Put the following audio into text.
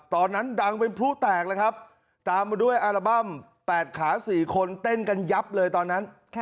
ตอนนั้นดังเป็นพลุแตกเลยครับตามมาด้วยอัลบั้ม๘ขา๔คนเต้นกันยับเลยตอนนั้น